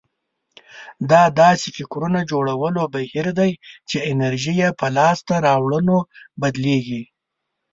دا داسې فکرونه جوړولو بهير دی چې انرژي يې په لاسته راوړنو بدلېږي.